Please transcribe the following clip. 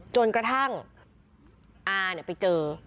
จนกระทั่งอาไปเจอ